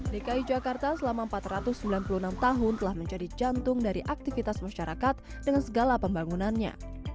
dki jakarta selama empat ratus sembilan puluh enam tahun telah menjadi jantung dari aktivitas masyarakat dengan segala pembangunannya